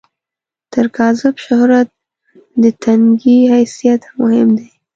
تر کاذب شهرت، د ټنګي حیثیت مهم دی.